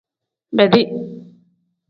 Bedi.